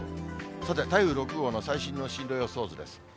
さて、台風６号の最新の進路予想図です。